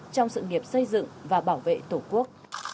trong sự nghiệp xây dựng và bảo vệ tổ quốc